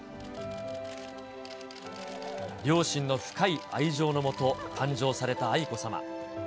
両親の深い愛情のもと、誕生された愛子さま。